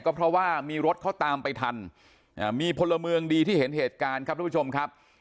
ก็เพราะว่ามีรถเขาตามไปทันมีพลเมืองดีที่เห็นเหตุการณ์ครับทุกผู้ชมครับ